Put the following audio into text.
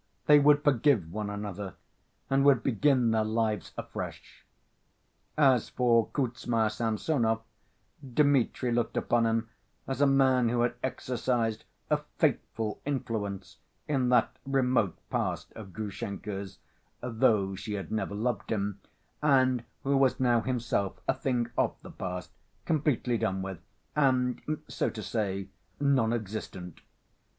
They would forgive one another and would begin their lives afresh. As for Kuzma Samsonov, Dmitri looked upon him as a man who had exercised a fateful influence in that remote past of Grushenka's, though she had never loved him, and who was now himself a thing of the past, completely done with, and, so to say, non‐existent.